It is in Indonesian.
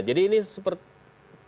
jadi ini seperti apa